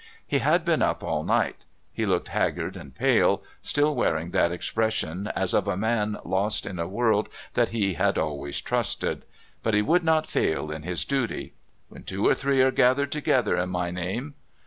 He had been up all night; he looked haggard and pale, still wearing that expression as of a man lost in a world that he had always trusted. But he would not fail in his duty. "When two or three are gathered together in my name...."